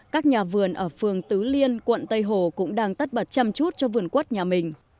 các nhà vườn ở phường tứ liên quận tây hồ cũng đang tất bật chăm chút cho vườn quất nhà mình